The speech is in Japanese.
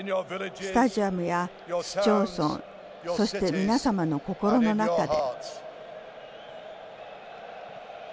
スタジアムや市町村そして皆様の心の中で。